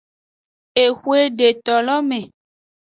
Exwe detolo me.